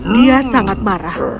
dia sangat marah